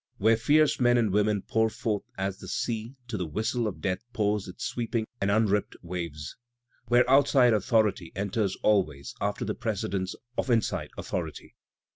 Where fierce men and women pour forth as the sea to the whistle of death pours its sweeping and unript waves. Where outside authority enters alwa^ after the precedence of in side authority.